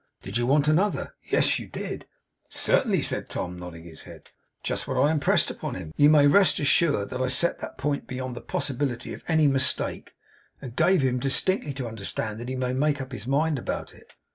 Did you want another? Yes, you did.' 'Certainly,' said Tom, nodding his head. 'Just what I impressed upon him. You may rest assured that I set that point beyond the possibility of any mistake, and gave him distinctly to understand that he might make up his mind about it.